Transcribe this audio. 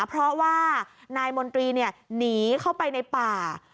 เพราะว่านายมนตรีหนีเข้าไปในป่า